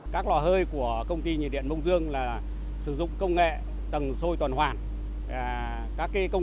các lò hơi của công ty nhiệt điện mông dương là sử dụng công nghệ tầng sôi toàn hoàn các công